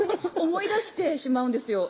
思い出してしまうんですよ